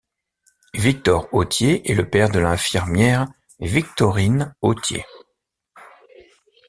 Victor Autier est le père de l'infirmière Victorine Autier.